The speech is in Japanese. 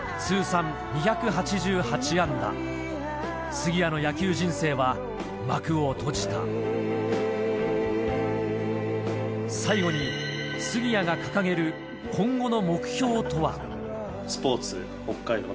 杉谷の野球人生は幕を閉じた最後に杉谷が掲げるそういう形で。